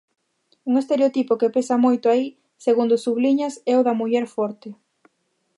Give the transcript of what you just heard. Un estereotipo que pesa moito aí, segundo subliñas, é o da "muller forte".